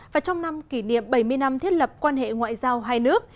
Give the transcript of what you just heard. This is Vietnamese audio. và trong năm kỷ niệm bảy mươi năm thiết lập quan hệ ngoại giao hai nước